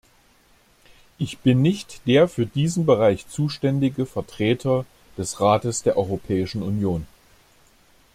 Ich bin nicht der für diesen Bereich zuständige Vertreter des Rates der Europäischen Union.